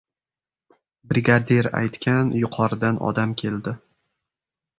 Brigadir aytgan yuqoridan odam keldi.